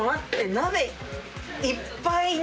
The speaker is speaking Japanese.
鍋いっぱいに。